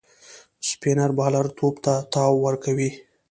سپينر بالر توپ ته تاو ورکوي.